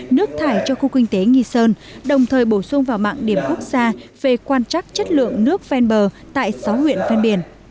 nước thải cho khu kinh tế nghi sơn đồng thời bổ sung vào mạng điểm quốc gia về quan trắc chất lượng nước ven bờ tại sáu huyện ven biển